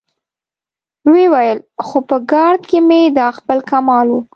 ويې ويل: خو په ګارد کې مې دا خپل کمال و.